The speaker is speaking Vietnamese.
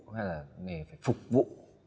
hay là nghề phải phục vụ